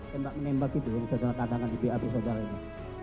tentang menembak itu yang saya katakan di pihak saudara ini